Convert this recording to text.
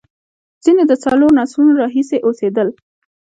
ځینې د څلورو نسلونو راهیسې اوسېدل.